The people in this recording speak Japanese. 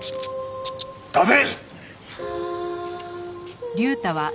立て！